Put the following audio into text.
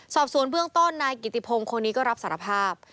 สอบสวนเบื้องต้นนายกิติพงศ์คนนี้ก็รับสารภาพ